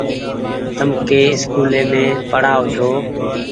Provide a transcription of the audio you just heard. تم ڪي اسڪولي مين پڙآئو ڇو ۔